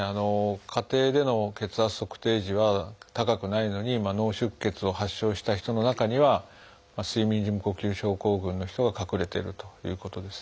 家庭での血圧測定時は高くないのに脳出血を発症した人の中には睡眠時無呼吸症候群の人が隠れているということですね。